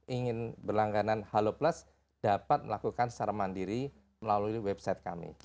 ingin berlangganan halo plus dapat melakukan secara mandiri melalui website kami